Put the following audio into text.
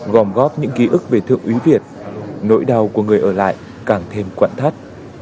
gom góp những ký ức về thượng úy việt nỗi đau của người ở lại càng thêm quặn thắt